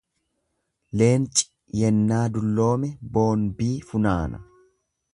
Leenci yennaa dulloome boonbii funaana.